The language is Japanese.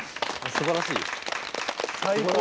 すばらしいです。